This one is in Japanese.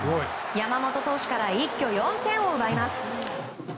山本投手から一挙４点を奪います。